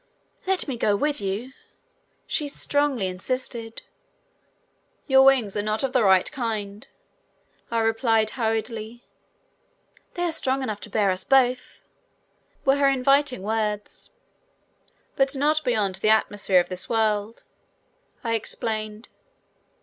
"Let me go with you," she strongly insisted. "Your wings are not of the right kind," I replied hurriedly. "They are strong enough to bear us both," were her inviting words. "But not beyond the atmosphere of this world," I explained.